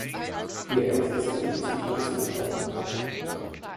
Ihr erstes Glied ist mit Lanzen bewaffnet.